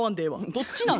どっちなん？